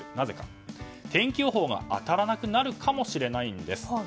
天気予報が当たらなくなるかもしれないんです。